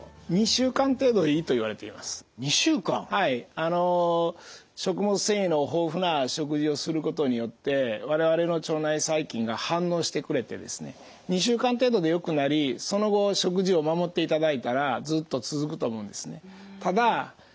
あの食物繊維の豊富な食事をすることによって我々の腸内細菌が反応してくれてですね２週間程度でよくなりその後食事を守っていただいたらずっと続くと思うんですね。